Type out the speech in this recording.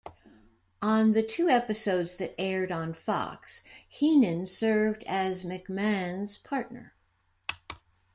On the two episodes that aired on Fox, Heenan served as McMahon's partner.